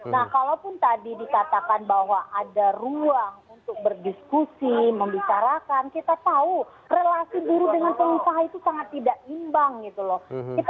nah kalaupun tadi dikatakan bahwa ada ruang untuk berdiskusi membicarakan kita tahu relasi buruh dengan pengusaha itu sangat tidak imbang gitu loh